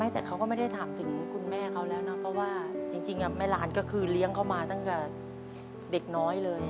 แต่เขาก็ไม่ได้ถามถึงคุณแม่เขาแล้วนะเพราะว่าจริงแม่หลานก็คือเลี้ยงเขามาตั้งแต่เด็กน้อยเลย